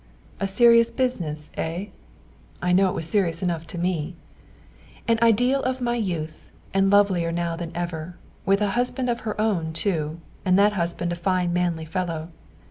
"A serious business, eh?" I know it was serious enough to me. An ideal of my youth, and lovelier now than ever, with a husband of her own too, and that husband a fine manly fellow.